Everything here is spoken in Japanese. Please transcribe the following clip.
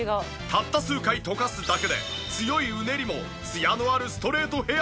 たった数回とかすだけで強いうねりもツヤのあるストレートヘアに。